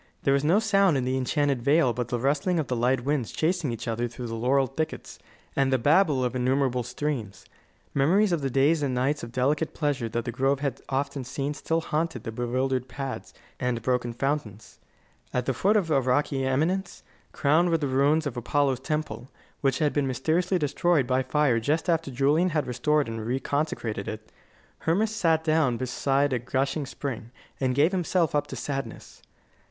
There was no sound in the enchanted vale but the rustling of the light winds chasing each other through the laurel thickets, and the babble of innumerable streams. Memories of the days and nights of delicate pleasure that the grove had often seen still haunted the bewildered paths and broken fountains. At the foot of a rocky eminence, crowned with the ruins of Apollo's temple, which had been mysteriously destroyed by fire just after Julian had restored and reconsecrated it, Hermas sat down beside a gushing spring, and gave himself up to sadness.